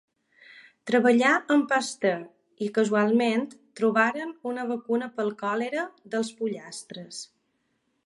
Treballà amb Pasteur i casualment trobaren una vacunal pel còlera dels pollastres.